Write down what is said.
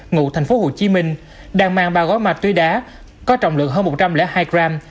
ngụ thành phố hồ chí minh đang mang ba gói ma túy đá có trọng lượng hơn một trăm linh hai gram